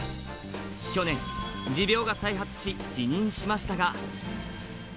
去年、持病が再発し、辞任しましたが。